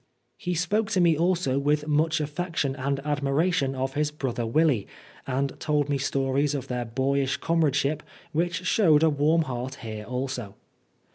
He spoke to me also with much affection and admiration of his brother Willy, and told me stories of their boyish comradeship which showed a warm heart here also.